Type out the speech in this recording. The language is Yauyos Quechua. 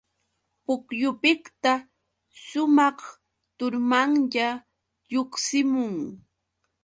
Pukyupiqta sumaq turumanya lluqsimun.